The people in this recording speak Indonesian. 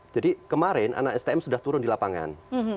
jadi kemarin anak stm sudah turun di lapangan